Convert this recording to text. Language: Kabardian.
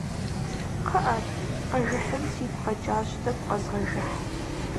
КъыӀэ, къэжыхьын сигу къэкӀащ, тӀэкӀу къэзгъэжыхь.